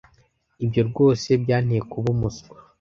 Ibyo rwose byanteye kuba umuswa.